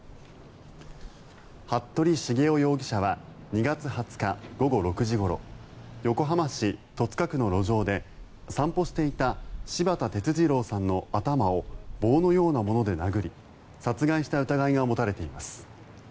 服部繁雄容疑者は２月２０日午後６時ごろ横浜市戸塚区の路上で散歩していた柴田哲二郎さんの頭を棒のようなもので殴り殺害した疑いが持たれています。